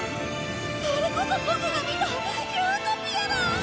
あれこそボクが見たユートピアだ！